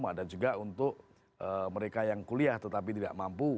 ada juga untuk mereka yang kuliah tetapi tidak mampu